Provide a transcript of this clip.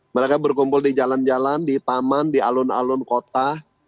mereka berkumpul di jalan jalan di taman di alun alun kota